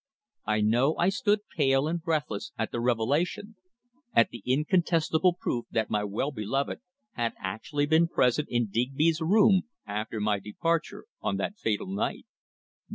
I know I stood pale and breathless at the revelation at the incontestable proof that my well beloved had actually been present in Digby's room after my departure on that fatal night.